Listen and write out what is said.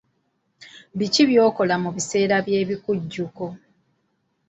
Biki by'okola mu biseera by'ebikujjuko?